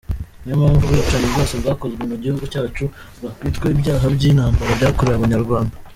Niyo mpamvu ubwicanyi bwose bwakozwe mugihugu cyacu bwakwitwa ibyaha by’intamabara byakorewe abanyarwanda.